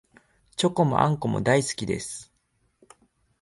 チョコもあんこも大好きです